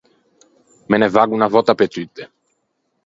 Me ne vaggo unna vòtta pe tutte.